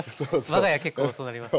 我が家結構そうなります。